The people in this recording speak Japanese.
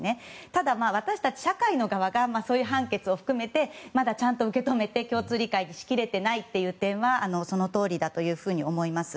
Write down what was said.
ただ、私たち社会の側がそういう判決を含めてまだちゃんと受け止めて共通理解しきれていない点はそのとおりだと思います。